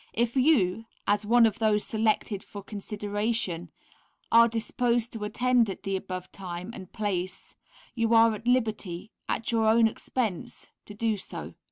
If you (as one of those selected for consideration) are disposed to attend at the above time and place you are at liberty, at your own expense, to do so.